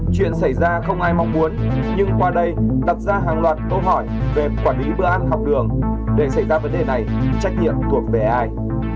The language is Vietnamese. chuyện xảy ra không ai mong muốn nhưng qua đây đặt ra hàng loạt câu hỏi về quản lý bữa ăn học đường để xảy ra vấn đề này trách nhiệm thuộc về ai